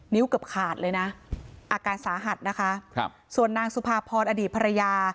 เกือบขาดเลยนะอาการสาหัสนะคะครับส่วนนางสุภาพรอดีตภรรยา